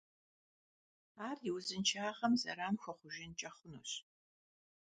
Ар и узыншагъэм зэран хуэхъужынкӀэ хъунущ.